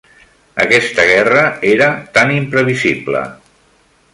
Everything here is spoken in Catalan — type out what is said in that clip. Aquesta guerra era tan imprevisible.